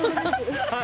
はい。